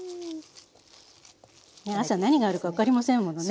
朝何があるか分かりませんものね。